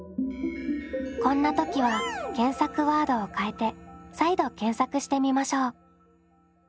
こんな時は検索ワードを変えて再度検索してみましょう。